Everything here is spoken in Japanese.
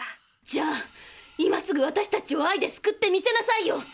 じゃあ今すぐ私たちを「愛」で救ってみせなさいよ！